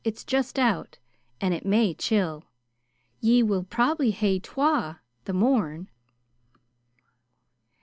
It's just out, and it may chill. Ye will probably hae twa the morn."